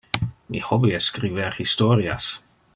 Mi hobby es scriber historias.